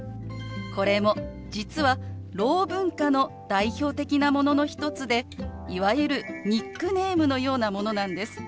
これも実はろう文化の代表的なものの一つでいわゆるニックネームのようなものなんです。